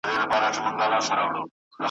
ځلېدونکي د بلوړ ټوټې لوېدلي ,